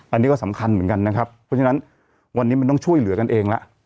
อันนี้ก็สำคัญเหมือนกันนะครับเพราะฉะนั้นวันนี้มันต้องช่วยเหลือกันเองแล้ว